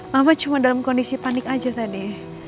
mama cuma dalam kondisi panik aja tadi